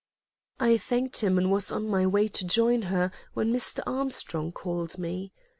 I thanked him and was on my way to join her, when Mr. Armstrong called me.